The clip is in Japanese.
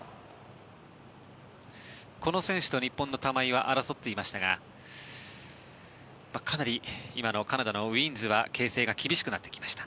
この選手と日本の玉井は争っていましたがかなり今のカナダのウィーンズは形勢が厳しくなってきました。